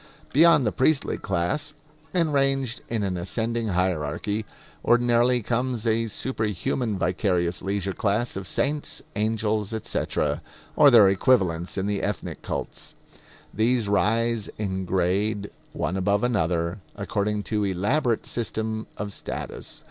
Beyond the priestly class, and ranged in an ascending hierarchy, ordinarily comes a superhuman vicarious leisure class of saints, angels, etc. or their equivalents in the ethnic cults. These rise in grade, one above another, according to elaborate system of status.